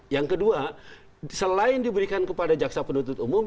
yang kedua selain diberikan kepada jaksa penuntut umum